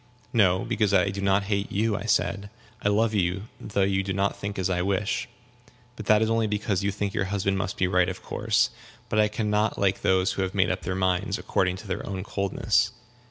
"No, because I do not hate you," I said; "I love you, though you do not think as I wish. But that is only because you think your husband must be right of course. But I can not like those who have made up their minds according to their own coldness."